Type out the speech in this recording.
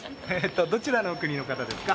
どちらの国の方ですか？